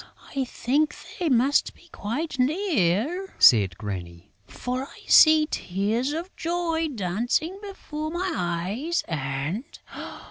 "I think they must be quite near," said Granny, "for I see tears of joy dancing before my eyes and...."